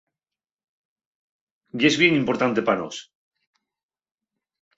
Yes bien importante pa nós.